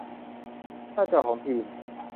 หน้าจอของทีม